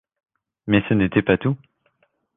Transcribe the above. Mais ce n’était pas tout.